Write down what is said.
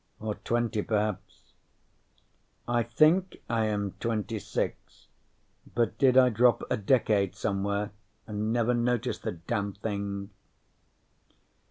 Or twenty perhaps. _I think I am seventy six, but did I drop a decade somewhere and never notice the damn thing?